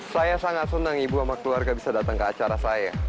saya sangat senang ibu sama keluarga bisa datang ke acara saya